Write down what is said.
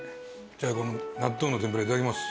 じゃあこの納豆の天ぷらいただきます。